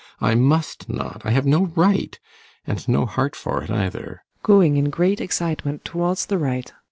I must not I have no right and no heart for it, either. [Going in great excitement towards the right.